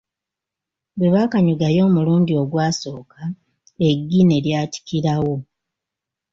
Bwebakanyugayo omulundi ogwasooka eggi ne lyatikirawo.